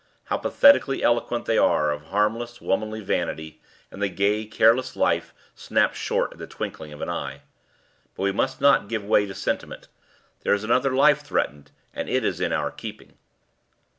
How pathetically eloquent they are of harmless, womanly vanity, and the gay, careless life, snapped short in the twinkling of an eye. But we must not give way to sentiment. There is another life threatened, and it is in our keeping."